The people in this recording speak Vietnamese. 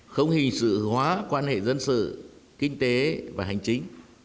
không hình sự hóa quan hệ dân sự kinh tế và hành chính